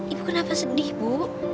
ibu kenapa sedih bu